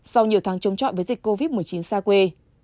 sau nhiều tháng chống trọi với dịch covid một mươi chín xa quê